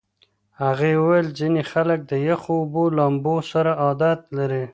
هغې وویل ځینې خلک د یخو اوبو لامبو سره عادت لري.